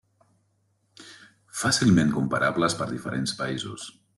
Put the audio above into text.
Fàcilment comparables per diferents països.